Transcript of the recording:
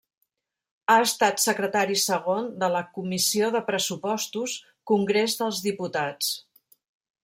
Ha estat secretari segon de la Comissió de Pressupostos Congrés dels Diputats.